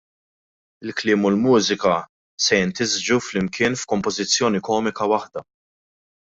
il-kliem u l-mużika se jintisġu flimkien f'kompożizzjoni komika waħda.